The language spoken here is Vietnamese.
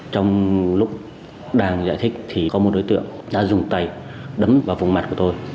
trong lúc đang giải thích thì có một đối tượng đã dùng tay đấm vào vùng mặt của tôi